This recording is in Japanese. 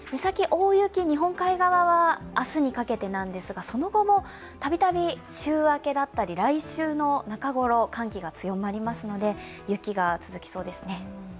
大雪、日本海側は明日にかけてですがその後もたびたび週明けや来週の中ごろ、寒気が強まりますので、雪が続きそうですね。